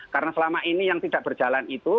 karena selama ini yang tidak berjalan itu